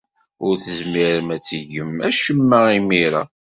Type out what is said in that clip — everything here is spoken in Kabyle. Ur tezmirem ad tgem acemma imir-a.